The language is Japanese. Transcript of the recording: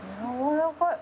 やわらかい。